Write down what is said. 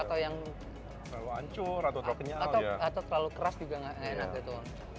atau yang terlalu keras juga gak enak gitu